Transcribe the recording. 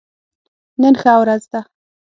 نن ښه ورځ ده